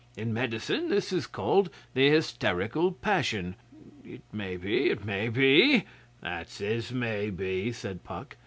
In medicine this is called the Hysterical Passion. It may be it may be.' 'That's as may be,' said Puck.